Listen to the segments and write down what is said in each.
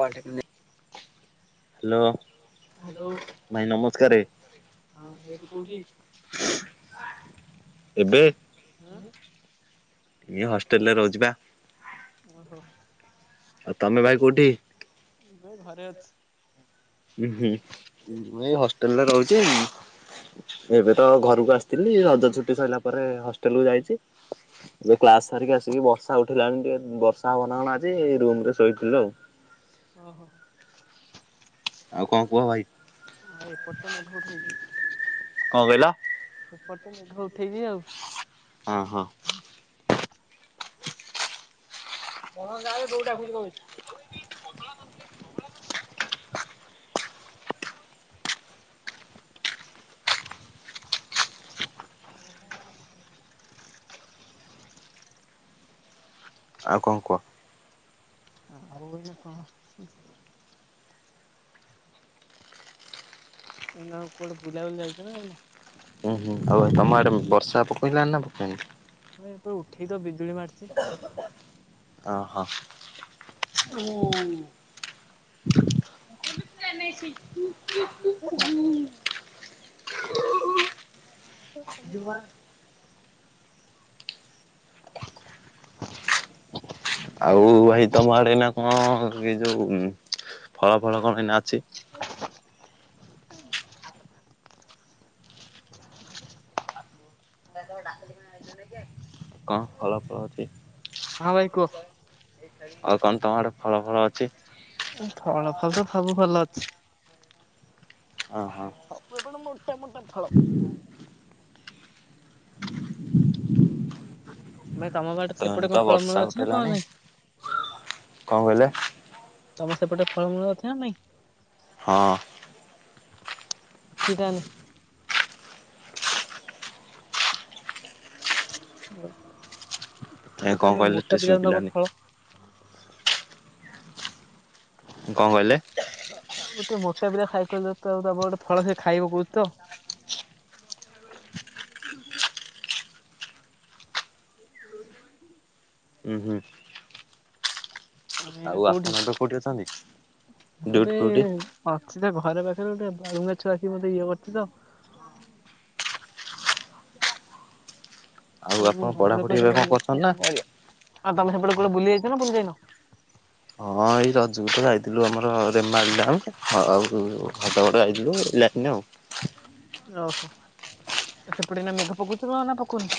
ପଢ଼ିବି ନେଇ ହ୍ୟାଲୋ ଭାଇ ନମସ୍କାରେ ହଁ ଭାଇ କୋଉଠି? ଏବେ ହୁଁ ଏଇ ହଷ୍ଟେଲରେ ରହୁଚିବା। ଓହୋ। ଆଉ ତମେ ଭାଇ କୋଉଠି? ମୁଁ ଘରେ ଅଛି। ହୁଁ ହୁଁ ମୁଁ ଏଇ ହଷ୍ଟେଲରେ ରହୁଛି ଏବେ ତ ଘରକୁ ଆସିଥିଲି ରଜ ଛୁଟି ସରିଲା ପରେ ହଷ୍ଟେଲ କୁ ଯାଇଚି। ଏବେ କ୍ଲାସ ସାରିକି ଆସିକି ବର୍ଷା ଉଠିଲାଣି ଟିକେ ବର୍ଷା ହବନା କଣ ଆଜି ରୁମ ରେ ଶୋଇଥିଲୁ ଆଉ। ଓହୋ। ଆଉ କଣ କୁହ ଭାଇ? ଆଉ ଏପଟେ ତ ମେଘ ଉଠେଇଛି। କଣ କହିଲ ଏପଟେ ତ ମେଘ ଉଠେଇନି ଆଉ। ଓ ହୋ। [unintelligible] [inaudible] ଆଉ କଣ କୁହ? ଆଉ ଏନା କଣ? ଏଇନା କୁଆଡ଼େ ବୁଲାବାକୁ ଯାଇଛ ନା ଯାଇନୁ? ଉଁ ହୁଁ ଆଉ ତମ ଆଡ଼େ ବର୍ଷା ପକେଇଲାନି ନା ପକେଇନି? [unintelligible] ଉଠେଇ ତ ବିଜୁଳି ମାରୁଚି ତ। ଓହୋ। [inaudible] [unintelligible] [unintelligible] ଆଉ ଭାଇ ତମ ଆଡ଼େ ଏଇନା କଣ ଏ ଯୋଉ ଫଳ ଫଳ କଣ ଏଇନା । ଅଛି। [inaudible] [inaudible] କଣ ଫଳ ଫଳ ଅଛି। ହଁ ଭାଇ କୁହ। ଆଉ କଣ ତମ ଆଡ଼େ ଫଳ ଫଳ ଅଛି। ଫଳ ଫଳ ତ ସବୁ ଭଲ ଅଛି। ଓହୋ ସବୁ ଏପଟେ ମୋଟା ମୋଟା ଫଳ। [inaudible] ତମ ବାଡ଼ି ଏତେବେଳେ ସେପଟେ ତ କଣ ବର୍ଷା ଫଳମୂଳ ଅଛି ନା ଉଠେଇଲାଣି କଣ ନାଇଁ। କଣ କହିଲେ? ତମର ସେପଟେ ଫଳମୂଳ ଅଛି ନା ନାଇଁ। ହଁ। ଅଛି ତାନେ। ଏ କଣ କହିଲେ ଟିକେ ଶୁଭିଲାନି [unintelligible] କଣ କହିଲେ। ଗୋଟେ ମୋଟା ପିଲା ସାଇକେଲ [unintelligible] ତା ଗୋଟେ [unintelligible] ଫଳ ସେ ଖାଇବ କହୁଛି ତ। [inaudible] ଉୁଁ ହୁଁ ଏଇନା ଆଉ କୋଉଠି ଆପଣ ଏବେ ଅଛନ୍ତି? ଡ୍ୟୁଟି ମତେ ଫ୍ୟୁଟି [unintelligible] ଘରେ ପାଖରେ ଗୋଟେ ବାଳୁଙ୍ଗା ଛୁଆ ଟେ ମତେ ଇଏ କରୁଛି ତ। [unintelligible] [unintelligible] ଆଉ ସେ ମୋ ଆପଣ ଘରର ପଢାପଢି ଏବେ ପାଖରେ କଣ ଅଳିଆ କରୁଛନ୍ତି ନା? [unintelligible] ତମେ ସେପଟେ କୁଆଡେ ବୁଲି ଯାଇଛ ନା ବୁଲି ଯାଇନ। ହଁ ଏଇ ରଜ କୁ ତ ଯାଇଥିଲୁ ଆମର ରେମାଲି ଡ୍ୟାମ୍ ଆଉ ହଦଗଡ ଯାଇଥିଲୁ [unintelligible] ଲାଇନ ଆଉ ଓହୋ ସେପଟେ ଏନା ମେଘ ପକଉଥିବ ନାଁ ପକଉନି।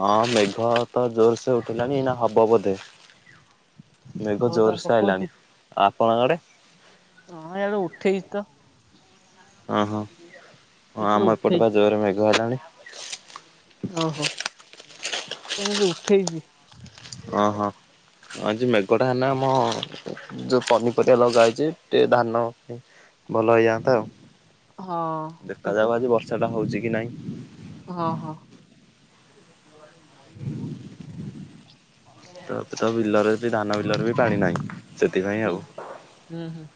ହଁ ମେଘ ତ ଜୋରସେ ଉଠିଲାନି ଏନା ହବ ବୋଧେ। ମେଘ ହଉ ତାହେଲେ ଜୋରସ ପକଉଛି ଆଇଲାଣି ଆପଣ ଆଡେ। ହଁ ଏଆଡେ ଉଠେଇଛି ତ ‌। ଓ ହଁ ହଁ ଆମ ଏପଟେ ବା ଜୋରରେ ମେଘ ହେଲାଣି। ଓହୋ ସେ ଉଠେଇଛି। ଓ ହୋ। ଆଜି ମେଘ ଟା ହେନା ଆମ ଯୋଉ ପନିପରିବା ଲଗା ହେଇଛି ଟିକେ ଧାନ। ଭଲ ହେଇଯାଆନ୍ତା ଆଉ। ହଁ ଏପଟେ ଦେଖାଯାଉ ଆଜି ବର୍ଷା ଟା ହଉଛି କି ନାଇଁ। ହଁ ହଁ। [unintelligible] ତ ଏବେ ତ ବିଲରେ ବି ଧାନ ବିଲରେ ବି ପାଣି ନାହିଁ। ସେଥିପାଇଁ ହୁଁ ଆଉ ହୁଁ ହୁଁ।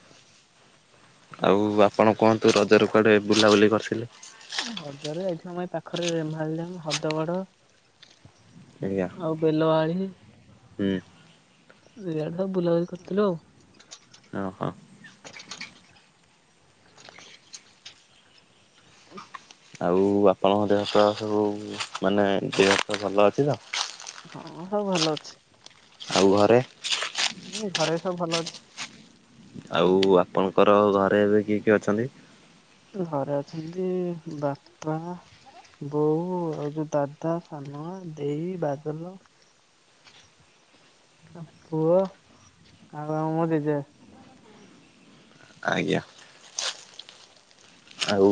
ଆଉ ଆପଣ କୁହନ୍ତୁ ରଜ ର କୁଆଡେ ବୁଲାବୁଲି କରିଥିଲେ। ହ୍ରଦରେ ଏଘେନା ମେ ପାଖରେ ରେମାଳି ଡ୍ୟାମ୍ ହ୍ରଦ ବଡ। ଆଜ୍ଞା ଆଉ ବେଲବାଳି। ହୁଁ। ସେୟଡେ ସବୁ ବୁଲାବୁଲି କରିୁଥିଲୁ। ଓ ହୋ। ଆଉ ଆପଣଙ୍କ ଦେହ ପାହା ସବୁ ମାନେ ଦେହ ସବୁ ଭଲ ଅଛି ତ। ହଁ ସବୁ ଭଲ ଅଛି। ଆଉ ଘରେ। ହଁ ଘରେ ସବୁ ଭଲ ଅଛି। ଆଉ ଆପଣଙ୍କର ଘରେ ଏବେ କିଏ କିଏ ଅଛନ୍ତି? ଘରେ ଅଛନ୍ତି ବାପା ବୋଉ ଆଉ ଯୋଉ ଦାଦା, ସାନ ମା, ଦେଇ, ବାଦଲ। ପୁଅ ଆଉ ଆମ ଜେଜେ। ଆଜ୍ଞା। ଆଉ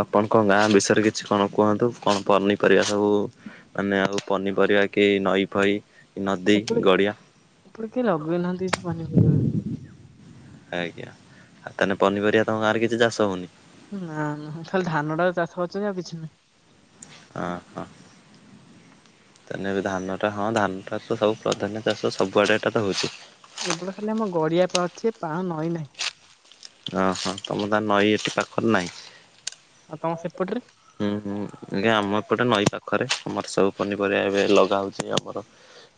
ଆପଣଙ୍କ ନାଁ ବିଷୟରେ କିଛି କଣ କୁହନ୍ତୁ, କଣ ପନିପରିବା ସବୁ ମାନେ ପନିପରିବା କି ନଈ ଫଇ ନଦୀ ଗଡିଆ କେ ଲଗେଇନାହାନ୍ତି କିଛି ପନିପରିବା। ଆଜ୍ଞା। ଆଉ ତାହେନେ ପନିପରିବା ତମ ଗାଁ କିଛି ଚାଷ ହଉନି। ନା ନା ଖାଲି ଧାନ ଟା ଚାଷ ହେଉଛି ଆଉ କିଛି ନାହିଁ। ଆ ହଁ। ତେନେ ଧାନଟା ହଁ ଧାନଟା ତ ସବୁ ପ୍ରଧନ୍ୟ ଚାଷ, ସବୁଆଡେ ଏଟା ତ ହଉଛି। ଏପଟ ଖାଲି ଆମ ଗଡିଆ ପା ଅଛି ପାଣ ନଈ ନାହିଁ। ଓଁ ହଁ ତମର ତାଏ ନଈ ଏଠି ପାଖରେ ନାହିଁ। କଣ ସେପଟରେ ହୁଁ, ହୁଁ, ଆଜ୍ଞା, ଆମ ଏପଟେ ନଈ ପାଖରେ ଆମର ସବୁ ପନିପରିବା ଏବେ ଲଗା ହଉଛି ଆମର।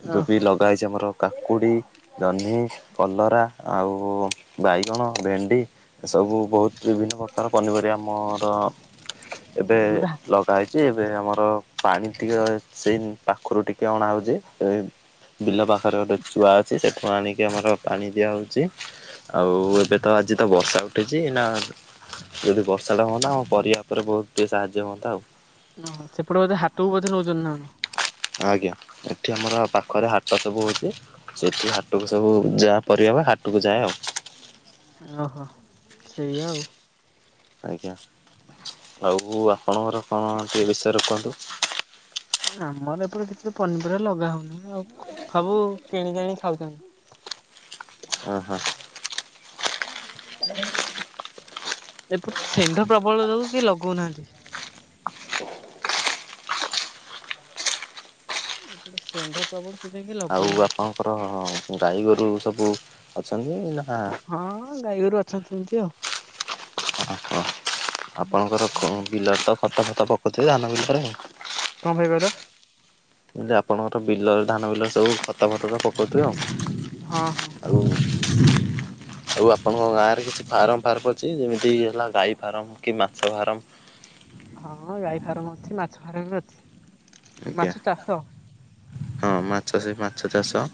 ଏବେ ବି ଓହୋ ଲଗା ହେଇଛି ଆମର କାକୁଡି, ଜହ୍ନି, କଲରା। ଆଉ ବାଇଗଣ, ଭେଣ୍ଡି, ଏସବୁ ବହୁତ୍ ବିଭିନ୍ନ ପ୍ରକାର ପନିପରିବା ଆମର ଏବେ, ବୋଧେ ଲଗା ହେଇଛି ଏବେ ଆମର। ପାଣି ଟିକେ ସେଇ ପାଖରୁ ଟିକେ ଅଣା ହଉଛି। ବିଲ ପାଖରେ ଗୋଟେ ଚୁଆ ଅଛି, ସେଠୁ ଆଣିକି ଆମର ପାଣି ଦିଆହଉଛି। ଆଉ ଏବେ ତ ଆଜି ତ ବର୍ଷା ଉଠିଛି, ନା ଯଦି ବର୍ଷା ଟା ହୁଅନ୍ତା ଆମ ପରିବା ଉପରେ ବହୁତ ଟିକେ ସାହାଯ୍ୟ ହୁଅନ୍ତା ଆଉ, ଓହ ସେପଟେ ବୋଧେ ହାତକୁ ବଧେ ନଉଛନ୍ତିଣ ଆଜ୍ଞା, ଏଠି ଆମର ପାଖରେ ହାଟ ସବୁ ହଉଛି, ସେଠି ହାଟକୁ ସବୁ ଯାହା ପରିବା ହାଟକୁ ଯାଏ ଆଉ ଓହୋ, ସେଇଆ ଆଉ ଆଜ୍ଞା, ଆଉ ଆପଣଙ୍କର କଣ ସେ ବିଷୟରେ କୁହନ୍ତୁ? ଆମର ଏପଟେ କିଛି ତ ପନିପରିବା ଲଗା ହଉନି ଆଉ ସବୁ କିଣିକିଆଣି ଖାଉଧ [unintelligible] ଓ ହୋ ଏପଟ ଷେଣ୍ଢ ପ୍ରବଳ ଯୋଗୁଁ କି ଲଗଉନାହାନ୍ତି। ଏପଟେ ଷେଣ୍ଢ ପ୍ରବଳ। ସେଥିପାଇଁ କେହି ଆଉ ଲଗଉନାହାନ୍ତି। ଆପଣଙ୍କର ଗାଈ ଗୋରୁ ସବୁ ଅଛନ୍ତି, ନା ହଁ ଗାଈଗୋରୁ ଅଛନ୍ତି, ସେମିତି ଆଉ ଆପଣଙ୍କର ବିଲ ତ ଖତ ଫଟ ପକାଉଥିବେ ଧାନ ବିଲରେ ଆ କଣ କହିବ ତ [unintelligible] ଆପଣଙ୍କର ବିଲ ଧାନ ବିଲ ସବୁ ଖଟ ଭଟଟ ପକଉଥିବ ହଁ ହଁ ଆଉ ଆଉ, ଆଉ ଆପଣଙ୍କ ଗାଁରେ କିଛି ଫାର୍ମ ଫାର୍ ଅଛି ଯେମିତି ହେଲା-ଗାଈ ଫାରମ କି ମାଛ ଫାରମ ହଁ ଗାଈ ଫାର୍ମ ଅଛି ମାଛ ଫାର୍ମ ବି ଅଛି। ଆଜ୍ଞା ମାଛ ଚାଷ। ହଁ ମାଛ, ସେ ମାଛ ଚାଷ।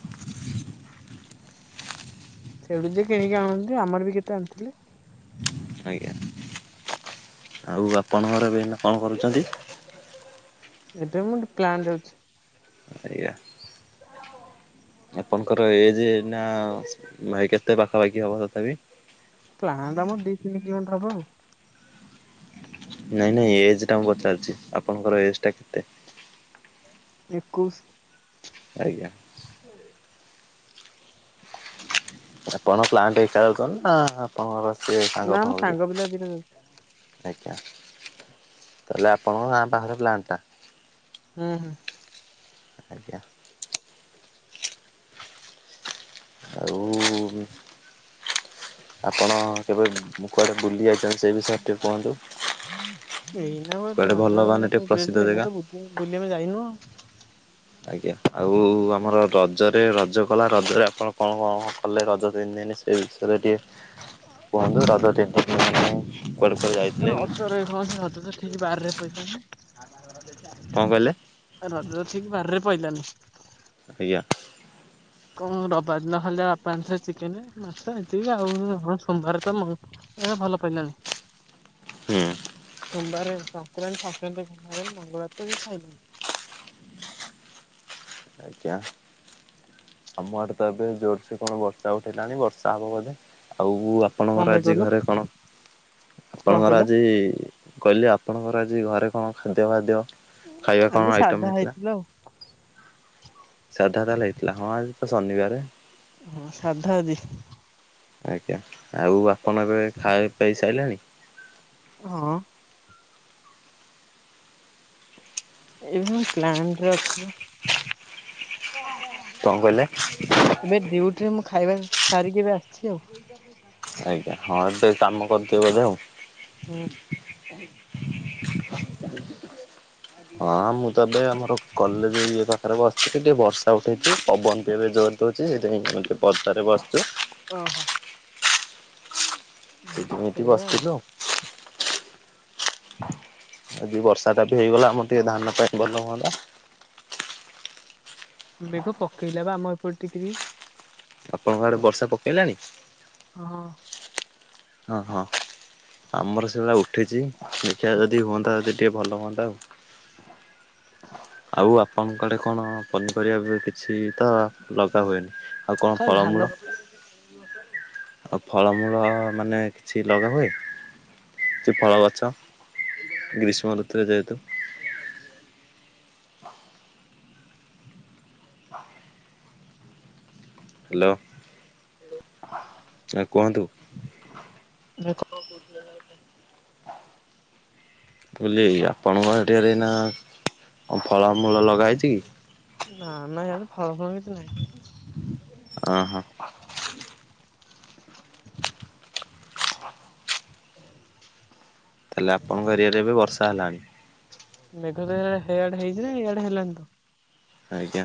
ସେଠୁ ଯିଏ କିଣିକି ଆଣନ୍ତି, ଆମର ବି କେତେ ଆଣିଥିଲେ। ଆଜ୍ଞା। ଆଉ ଆପଣ ଘର ବି [unintelligible] କଣ କରୁଛନ୍ତି? ଏଠ ମୁଁ [unintelligible] ପ୍ଲାନ୍ ଯାଉଛି। ଆଆ [unintelligible] ଆପଣଙ୍କର ଏ ଯେ ନା କେତେ ପାଖାପାଖି ହବ, ତଥାପି ପ୍ଲାଣ୍ଟ ଆମର ଦି ତିନି କି ଘଣ୍ଟା ହବ, ଆଉ ନାଇଁ ନାଇଁ ଏଜ ଟା ମୁଁ ପଚାରଛି ଆପଣଙ୍କର ଏଜ ଟା କେତେ? ଏକୋଇଶ। ଆଜ୍ଞା। ଆପଣ ପ୍ଲାଣ୍ଟା ନା ଆପଣଙ୍କ ସେ ସାଙ୍ଗ ନା ଆମ ଫାଙ୍ଗ କିଏ। ପିଲା ଦିଟା ଯାଉଚି ଆଜ୍ଞା ତାହେଲେ ଆପଣଙ୍କ ଗାଁ ପାଖରେ ପ୍ଲାାନ ଟା। ହୁଁ ହଁ। ଆଜ୍ଞା। ଆଉ ଆପଣ କେବେ କୁଆଡେ ବୁଲି ଯାଇଛନ୍ତି ସେଇ ବିଷୟରେ ଟିକେ କୁହନ୍ତୁ। ଏଇନା ବ ତ କୁଆଡ଼େ ଭଲ କଥା ମାନେ ଟିକେ ପ୍ରସିଦ୍ଧ ଏଇନା ଜାଗା? ତ ବ ବୁଲି ଆମେ ଯାଇନୁ। ଆଜ୍ଞା ଆଉ ଆମର ରଜରେ ରଜ କଲା ରଜରେ ଆପଣ କଣ କଣଣ କଲେ ରଜ ତିନି ଦିନେ ସେଇ ବିଷରେ ଟି କୁହନ୍ତୁ ରଜ ତିନ ଦିନି କୁଆଡେ କୁଆଡେ ଯାଇଥିଲେ କି? [inaudible] ବରରେ କଣ କହିଲେ? ପାଇଲାନି। ଆଜ୍ଞା। କଣ ରବା ଦିନ ଯାହା ଖାଲି ବାପା ଆଣିଥିଲେ ଚିକେନ ମାଛ ଏତିକି ଆଉ ହ ସୋମବାର ତ ଏ ଭଲ ପାଇିଲାନି। ହୁଁ। ସୋମବାର ସଂକ୍ରାନ୍ତି ସଂକ୍ରାନ୍ତି ସମବରେ ମଙ୍ଗଳବାର ତ ବି ଖାଇଲେନି। ଆଜ୍ଞା। ଆମ ଆଡେ ତ ଏବେ ଜୋରସ କଣ ବର୍ଷା ଉଠେଇଲାଣି ବର୍ଷା ହବ ବୋଧେ ଆଉ ଉ କଣ ଆପଣଙ୍କର ଭାଇ ଆଜି କହିଲ ଘରେ କଣ କଣ ଆପଣଙ୍କର କହିଲ ଆଜି କହିଲି ଆପଣଙ୍କର ଆଜି ଘରେ କଣ ଖାଦ୍ୟ ବାଦ୍ୟ ଖାଇବା ଆଜି କଣ ଆଇଟମ୍ ସାଧା ହେଇଥିଲା। ଆଉ ସାଧା ତାହେଲେ ହେଇଥିଲା ହଁ ଆଜି ତ ଶନିବାରେ। ହଁ ସାଧା ଆଜି। ଆଜ୍ଞା ଆଉ ଆପଣ ଏବେ ଖାଏପିଆଇ ସାଇଲେଣି। ହଁ। ଏବେ ମୁ ପ୍ଲାଣ୍ଟ ରେ ଅଛି ବା। ହଁ ହଁ ହଁ କଣ କହିଲେ? ଆଉ ଏବେ ଡ୍ୟୁଟି ରେ ମୁଁ ଖାଇବା ସାରିକି ଏବେ ଆସିଛି ଆଉ। ଆଜ୍ଞା ହଁ ସେ କାମ କରୁଥିବେ ବୋଧେ ଆଉ। ହଁ ମୁଁ ତତେ ଆମର କଲେଜ ଇଏ ର ଆରେ ବସିଛି ଏଠି ଟିକେ ବର୍ଷା ଉଠେଇଛି ପବନ ଟା ଏବେ ଜୋର ଦେଉଛି ସେଇଥିପାଇଁ ଟିକେ ପଦାରେ ବସିଛୁ। ହଁ ହଁ। ସେମିତି ବସିଥିଲୁ ଆଉ। ଆଜି ବର୍ଷା ଟା ବି ହେଇଗଲା ଆମର ଟିକେ ଧାନ ପାଇଁ ଭଲ ହୁଅନ୍ତା। ମେଘ ପକେଇଲା ବା ଆମ ଏପଟେ ଟିକେ ଟିକେ। ଆପଣଙ୍କ ଆଡେ ବର୍ଷା ପକେଇଲାଣି। ହଁ। ହ ହ। ଆମର ସେଭଳିଆ ଉଠିଛି ଦେଖିବା ଯଦି ହୁଅନ୍ତା ଯଦି ଟିକେ ଭଲ ହୁଅନ୍ତା ଆଉ। ଆଉ ଆପଣଙ୍କ ଆଡ଼େ କଣ ପନିପରିବା ଭି କିଛି ତ ଲଗା ହୁଏନି ଆଉ କଣ ଖାଲି ଧାନ ଫଳମୂଳ ଆଉ ଫଳମୂଳ ମାନେ କିଛି ଲଗା ହୁଏ। ସେ ଫଳ ଗଛ ଗ୍ରୀଷ୍ମ ଋତୁରେ ଯେହେତୁ [inaudible] ହ୍ୟାଲୋ ଆଉ କୁହନ୍ତୁ। ମୁଁ କଣ କହୁଥିଲି କହିଲ? କୁଲେଇ ଆପଣଙ୍କ ଆଡ଼େ ରେ ନା କଣ ଫଳମୂଳ ଲଗା ହେଇଛି କି? ନାଁ ନାଁ ଇଆଡ଼େ ଫଳ ଫଳ କିଛି ନାଇଁ। ଓହୋ ତା ହେଲେ ଆପଣଙ୍କ ଏରିଆ ରେ ଏବେ ବର୍ଷା ହେଲାଣି? ମେଘ ତ ହେଇଆଡ଼େ ହେଇଚି ନା ଇଆଡେ ହେଲାଣି ତ। ଆଜ୍ଞା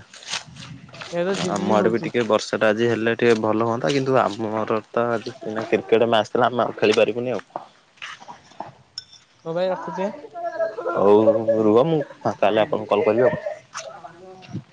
ଇଆଡେ ତ ଆମ ଝିପଝିପି ଆଡ଼େ ବି ହଉଛି ଟିକେ ବର୍ଷା ଟା ଆ ଆଜି ହେଲେ ଟିକେ ଭଲ ହୁଅନ୍ତା। କିନ୍ତୁ ଆମର ତ ଆଜି କ୍ରିକେଟ୍ ମ୍ୟାଚ୍ ଥିଲା। ଆମେ ଆଉ ଖେଳି ପାରିବୁନି ଆଉ। ହଁ ଭାଇ ରଖୁଚି ଆଁ। ହଉଁ ରୁହ ମୁଁ ଫାଙ୍କା ହେଲେ ଆପଣଙ୍କୁ କଲ କରିବି ଆଉ।